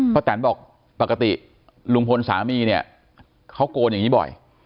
แตนบอกปกติลุงพลสามีเนี่ยเขาโกนอย่างนี้บ่อย